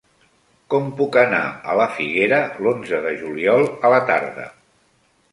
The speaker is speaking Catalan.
Com puc anar a la Figuera l'onze de juliol a la tarda?